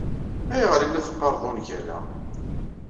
Ayɣer ay la teqqareḍ ungal-a?